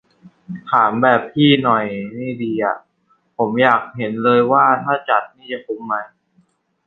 ถามแบบพี่หน่อยนี่ดีอะ ผมอยากเห็น เลยว่าถ้าจัดนี่จะคุ้มไหม